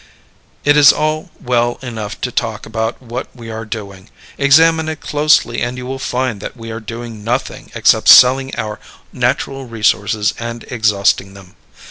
It is all well enough to talk about what we are doing. Examine it closely and you will find that we are doing nothing except selling our natural resources and exhausting them.